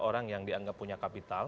orang yang dianggap punya kapital